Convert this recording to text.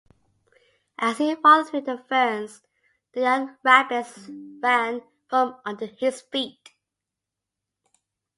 As he walked through the ferns, the young rabbits ran from under his feet.